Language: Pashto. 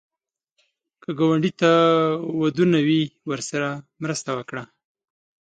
که ګاونډي ته ودونه وي، ورسره مرسته وکړه